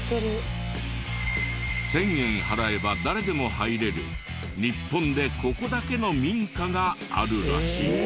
１０００円払えば誰でも入れる日本でここだけの民家があるらしい。